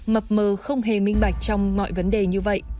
mập mờ không hề minh bạch trong mọi vấn đề như vậy